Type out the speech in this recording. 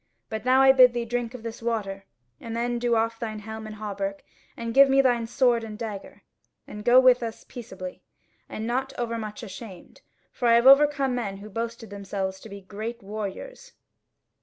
But now I bid thee drink of this water, and then do off thine helm and hauberk and give me thy sword and dagger, and go with us peaceably; and be not overmuch ashamed, for I have overcome men who boasted themselves to be great warriors."